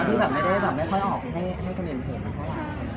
ชมภาพเรื่องเดิมมะนุ้ยน้วม้ีเก่งกัน